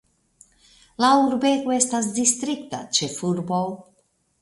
La urbego estas distrikta ĉefurbo.